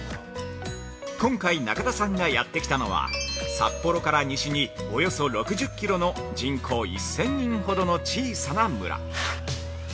今回、中田さんがやってきたのは札幌から西におよそ６０キロの人口１０００人ほどの小さな村。